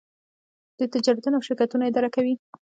دوی تجارتونه او شرکتونه اداره کوي.